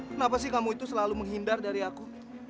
kenapa sih kamu itu selalu menghindar dari aku